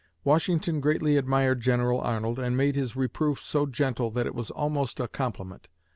Washington greatly admired General Arnold and made his reproof so gentle that it was almost a compliment.